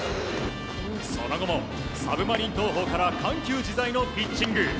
その後も、サブマリン投法から緩急があるピッチング。